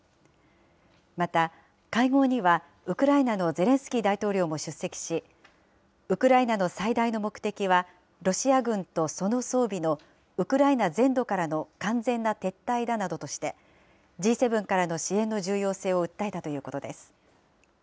また、会合には、ウクライナのゼレンスキー大統領も出席し、ウクライナの最大の目的は、ロシア軍とその装備の、ウクライナ全土からの完全な撤退だなどとして、Ｇ７からの支援の重要性を訴えたということです。